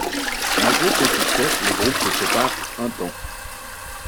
Malgré son succès, le groupe se sépare un temps.